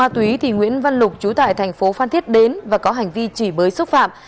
thì nguyễn văn lục trú tại thành phố phan thiết đến và có hành vi chỉ bới xúc phạm